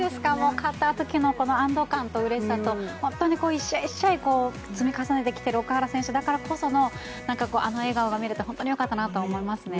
勝った時の安堵感とうれしさと１試合１試合積み重ねてきている奥原選手だからこそのあの笑顔が見られて本当に良かったなと思いますね。